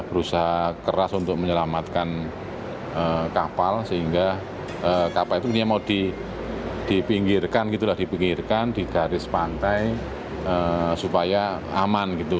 berusaha keras untuk menyelamatkan kapal sehingga kapal itu ini mau dipinggirkan gitu lah dipikirkan di garis pantai supaya aman gitu